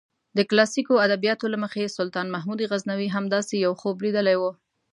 د کلاسیکو ادبیاتو له مخې سلطان محمود غزنوي هم داسې یو خوب لیدلی و.